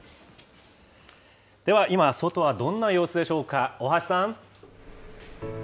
では今、外はどんな様子でしょうか。